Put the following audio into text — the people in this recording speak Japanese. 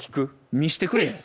見してくれ。